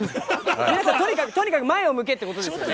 皆さん、とにかく前を向けっていうことですよね。